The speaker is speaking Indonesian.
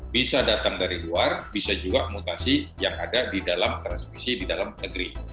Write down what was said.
bisa datang dari luar bisa juga mutasi yang ada di dalam transmisi di dalam negeri